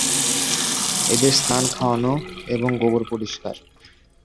এদের স্নান, খাওয়ানো এবং গোবর পরিষ্কার।